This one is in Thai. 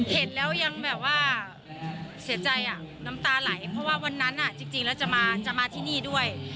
เห็นแล้วยังแบบว่าเสียใจอ่ะน้ำตาไหลเพราะว่าวันนั้นจริงแล้วจะมาที่นี่ด้วย